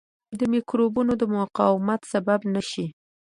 د مکروبونو د مقاومت سبب نه شي.